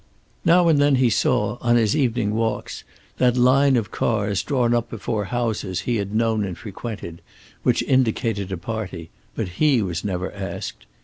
Now and then he saw, on his evening walks, that line of cars drawn up before houses he had known and frequented which indicated a party, but he was never asked.